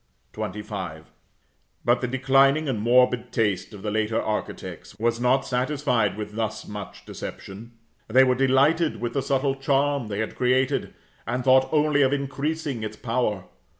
XXV. But the declining and morbid taste of the later architects, was not satisfied with thus much deception. They were delighted with the subtle charm they had created, and thought only of increasing its power.